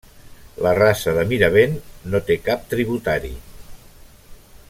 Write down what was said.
La Rasa de Miravent no té cap tributari.